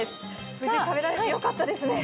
無事食べられてよかったですね。